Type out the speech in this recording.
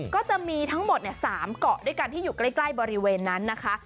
ก็จะมีทั้งหมด๓เกาะด้วยกันที่อยู่ใกล้บริเวณนั้นนะคะ